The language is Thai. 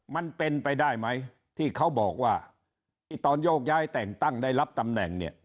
มันเป็นไปได้ไหมที่เขาบอกว่าที่ตอนโยกย้ายแต่งตั้งได้รับตำแหน่งเนี่ย